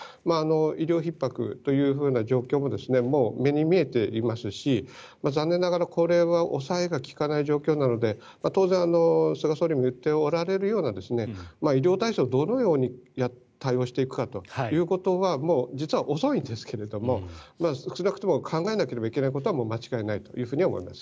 医療ひっ迫という状況ももう目に見えていますし残念ながらこれは抑えが利かない状況なので当然菅総理も言っておられるような医療体制をどのように対応していくかということは実はもう遅いんですが少なくとも考えなければいけないことは間違いないとは思います。